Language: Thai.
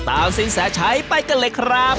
สินแสชัยไปกันเลยครับ